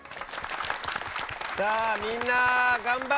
さあみんな頑張ったね！